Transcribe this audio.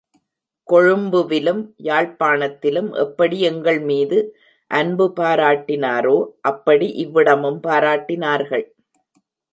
கொழும்புவிலும் யாழ்ப்பாணத்திலும் எப்படி எங்கள்மீது அன்பு பாராட்டினரோ அப்படி இவ்விடமும் பாராட்டினார்கள்.